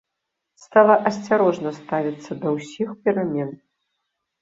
Стала асцярожна ставіцца да ўсіх перамен.